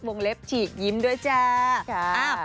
วงเล็บฉีกยิ้มด้วยจ้าอ้าวค่ะ